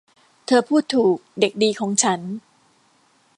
เธอพูดถูก เด็กดีของฉัน